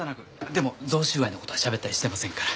でも贈収賄の事はしゃべったりしてませんから。